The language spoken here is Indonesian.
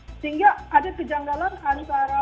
sehingga ada kejanggalan antara